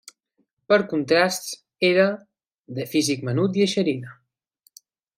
Per contrasts, era, de físic menut i eixerida.